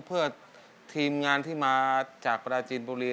เพื่อทีมงานที่มาจากปราจีนบุรี